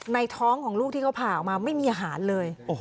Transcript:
ท้องของลูกที่เขาผ่าออกมาไม่มีอาหารเลย